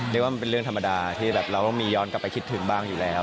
ที่มึงไม่ธรรมดาที่แบบเราต้องมียอดกลับและกลับไปคิดถึงบ้างอยู่แล้ว